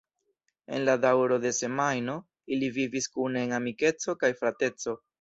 En la daŭro de semajno ili vivis kune en amikeco kaj frateco.